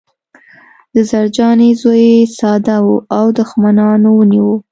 د زرجانې زوی ساده و او دښمنانو ونیوه